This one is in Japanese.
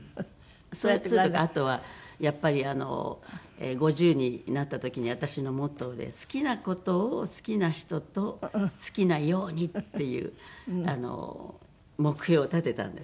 それとかあとはやっぱり５０になった時に私のモットーで好きな事を好きな人と好きなようにっていう目標を立てたんですよね。